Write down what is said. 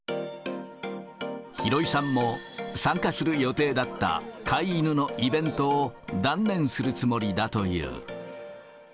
廣井さんも参加する予定だった飼い犬のイベントを断念するつもりだという。